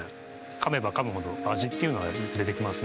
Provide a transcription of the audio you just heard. かめばかむほど味っていうのは出てきますね